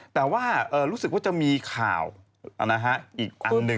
แต่ว่ารู้สึกว่าจะมีข่าวอีกอันหนึ่ง